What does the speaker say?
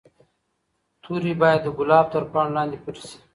توري باید د ګلاب تر پاڼو لاندې پټې شي.